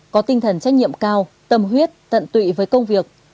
có tinh thần trách nhiệm cao tâm huyết tận tụy với công việc